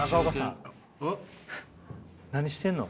何してんの？